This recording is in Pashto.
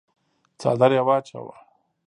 څادر يې واچاوه.